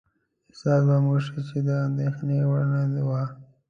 احساس به مو شي چې د اندېښنې وړ نه وه.